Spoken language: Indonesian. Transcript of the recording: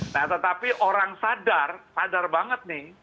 nah tetapi orang sadar sadar banget nih